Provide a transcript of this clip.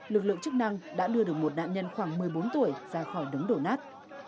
lực lượng chức năng đã đưa được một nạn nhân khoảng một mươi bốn tuổi ra khỏi đống đổ nát